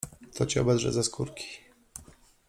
To cię obedrze ze skórki.